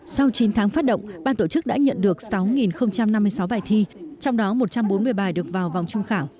sau chín tháng phát động ban tổ chức đã nhận được sáu năm mươi sáu bài thi trong đó một trăm bốn mươi bài được vào vòng trung khảo